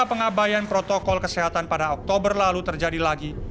pengabayan protokol kesehatan pada oktober lalu terjadi lagi